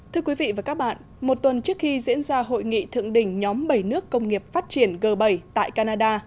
thưa quý vị và các bạn một tuần trước khi diễn ra hội nghị thượng đỉnh nhóm bảy nước công nghiệp phát triển g bảy tại canada